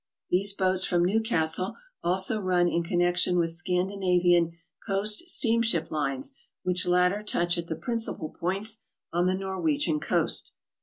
These boats from Newcastle also run in connection with Scandinavian coast steamship lines, which latter touch at the principal points on the Norwegian coas t.